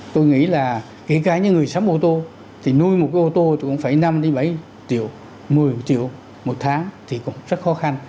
tôi nghĩ là kể cả những người sống ô tô thì nuôi một cái ô tô thì cũng phải năm bảy triệu một mươi triệu một tháng thì cũng rất khó khăn